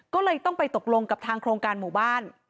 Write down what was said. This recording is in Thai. ก็เลยต้องไปตกลงกับทางโครงการหมู่บ้าน